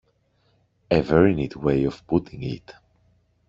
A very neat way of putting it.